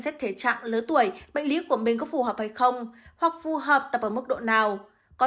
xếp thể trạng lứa tuổi bệnh lý của mình có phù hợp hay không hoặc phù hợp tập ở mức độ nào có